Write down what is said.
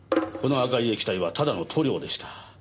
この赤い液体はただの塗料でした。